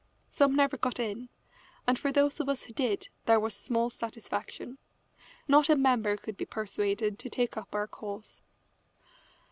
Some never got in, and for those of us who did there was small satisfaction. Not a member could be persuaded to take up our cause.